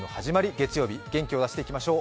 月曜日、元気を出していきましょう。